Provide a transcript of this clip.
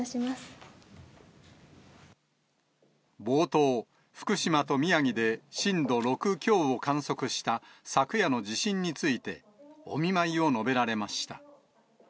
冒頭、福島と宮城で震度６強を観測した昨夜の地震についてお見舞いを述べられました。